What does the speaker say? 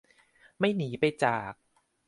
ไม่หนีไปจาก